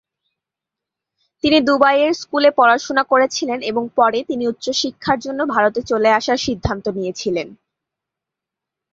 তিনি দুবাই এর স্কুলে পড়াশোনা করেছিলেন এবং পরে তিনি উচ্চ শিক্ষার জন্য ভারতে চলে আসার সিদ্ধান্ত নিয়েছিলেন।